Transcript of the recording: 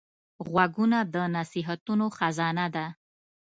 غوږونه د نصیحتونو خزانه ده